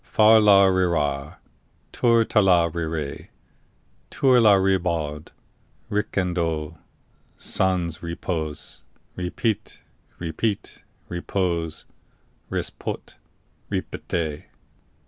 Far la rira, Tour tala rire, Tour la Ribaud, Ricandeau, Sans repos, repit, repit, repos, ris pot, ripette!